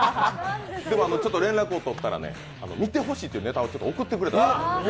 でも連絡を取ったら、見てほしいというネタを送ってくれたんです。